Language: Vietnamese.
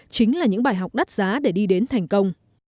chính là những bài học đắt giá để đi đến thành công